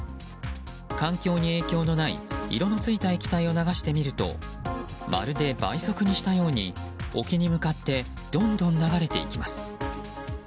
環境に影響のない色のついた液体を流してみるとまるで倍速にしたように沖に向かってどんどん流れていきます。